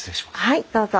はいどうぞ。